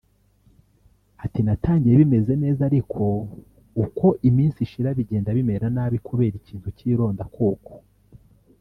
Ati “Natangiye bimeze neza ariko uko iminsi ishira bigenda bimera nabi kubera ikintu cy’irondakoko